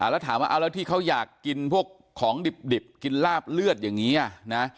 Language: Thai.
แล้วถามว่าเอาแล้วที่เขาอยากกินพวกของดิบกินลาบเลือดอย่างนี้นะ